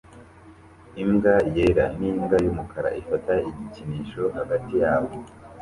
Imbwa yera n'imbwa y'umukara ifata igikinisho hagati yabo